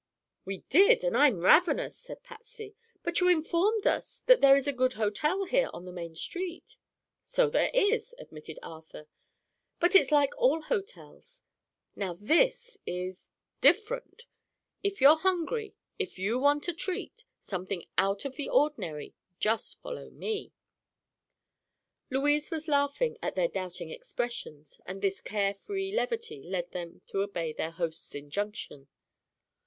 "We did, and I'm ravenous," said Patsy. "But you informed us that there is a good hotel here, on the main street." "So there is," admitted Arthur; "but it's like all hotels. Now, this is—different. If you're hungry; if you want a treat—something out of the ordinary—just follow me." Louise was laughing at their doubting expressions and this care free levity led them to obey their host's injunction.